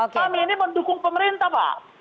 kami ini mendukung pemerintah pak